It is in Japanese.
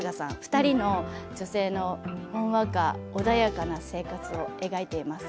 ２人の女性のほんわかと穏やかな生活を描いています。